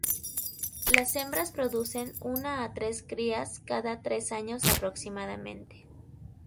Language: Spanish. Las hembras producen una a tres crías cada tres años aproximadamente.